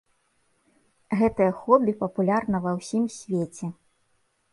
Гэтае хобі папулярна ва ўсім свеце.